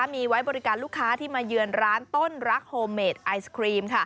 มีไว้บริการลูกค้าที่มาเยือนร้านต้นรักโฮเมดไอศครีม